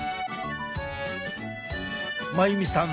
真由美さん